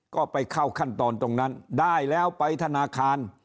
ก็ไปเข้าขั้นตอนตรงนั้นได้แล้วไปธนาคาร